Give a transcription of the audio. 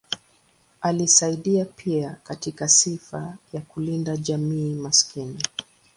Alisaidia pia katika sifa ya kulinda jamii maskini.